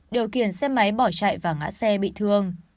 điều khiển xe máy bỏ chạy và ngã xe bị thương